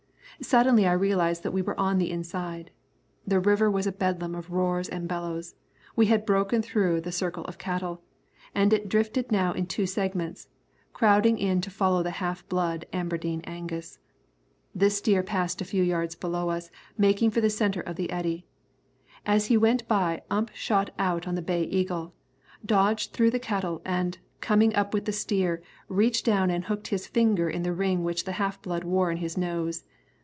Suddenly I realised that we were on the inside. The river was a bedlam of roars and bellows. We had broken through the circle of cattle, and it drifted now in two segments, crowding in to follow the half blood Aberdeen Angus. This steer passed a few yards below us, making for the centre of the eddy. As he went by, Ump shot out on the Bay Eagle, dodged through the cattle, and, coming up with the steer, reached down and hooked his finger in the ring which the half blood wore in his nose.